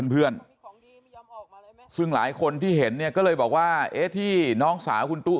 เพื่อนซึ่งหลายคนที่เห็นเนี่ยก็เลยบอกว่าเอ๊ะที่น้องสาวคุณตู้